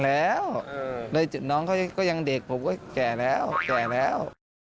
แล้วน้องเขาก็ยังเด็กผมก็แก่แล้วแก่แล้ว